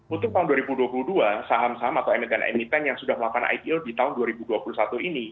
untuk tahun dua ribu dua puluh dua saham saham atau emiten emiten yang sudah melakukan ipo di tahun dua ribu dua puluh satu ini